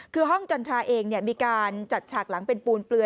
คือห้องจันทราเองมีการจัดฉากหลังเป็นปูนเปลือย